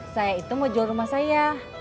saya itu mau jual rumah saya